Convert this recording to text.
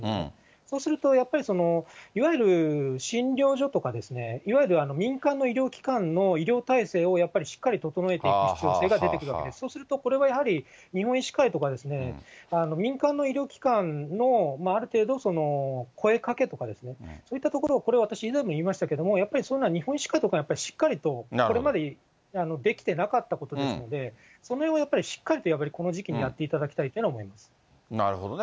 そうすると、やっぱりいわゆる診療所とかですね、いわゆる民間の医療機関の医療体制をやっぱりしっかり整えていく必要性が出てくるわけで、そうするとこれはやはり、日本医師会とか民間の医療機関のある程度、声かけとか、そういったところ、これ、私、以前も言いましたけど、日本医師会とかしっかりとこれまでできてなかったことですので、そのへんをしっかりとやっぱりこの時期にやっていただきたいと思なるほどね。